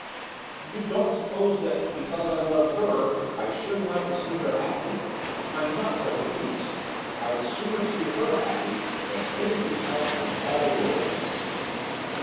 'You don't suppose that, because I love her, I shouldn't like to see her happy? I'm not such a beast! I'd sooner see her happy than anything else in all the world.